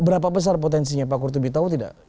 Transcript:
berapa besar potensinya pak kurtubi tahu tidak